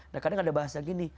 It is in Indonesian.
nah kadang ada bahasa gini